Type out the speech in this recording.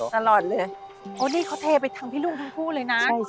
ตลอดเลยโอ้นี่เขาเทไปทางพี่รุ่งทั้งคู่เลยนะ